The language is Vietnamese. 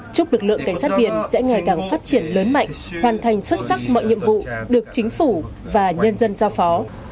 chúc lực lượng cảnh sát biển sẽ ngày càng phát triển lớn mạnh hoàn thành xuất sắc mọi nhiệm vụ được chính phủ và nhân dân giao phó